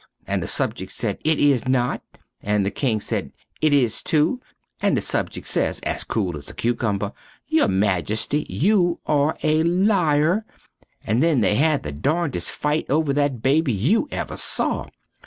and the subjeck sed, It is not! and the king sed, It is too! and the sujeck sez as cool as a cucumber, Your majesty you are a lyre! and then they had the darndest fite over that baby you ever saw.